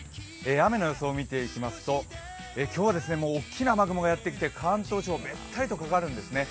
雨の予想を見ていきますと今日は多くの雨雲がやってきて関東地方、べったりとかかるんですね。